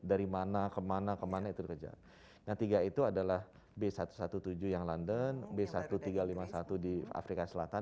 dari mana kemana kemana itu kerja yang tiga itu adalah b satu ratus tujuh belas yang london b seribu tiga ratus lima puluh satu di afrika selatan